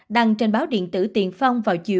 đăng trên báo điện tử tiền phong vào chiều